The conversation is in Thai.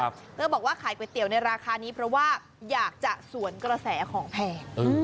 เธอบอกว่าขายก๋วยเตี๋ยวในราคานี้เพราะว่าอยากจะสวนกระแสของแพง